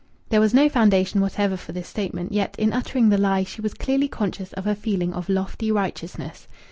There was no foundation whatever for this statement; yet, in uttering the lie, she was clearly conscious of a feeling of lofty righteousness.